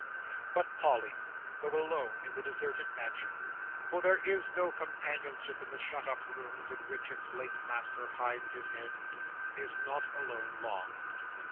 But Polly, though alone in the deserted mansion—for there is no companionship in the shut up rooms in which its late master hides his head—is not alone long.